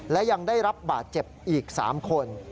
และยังได้รับบาดเจ็บอีก๓คน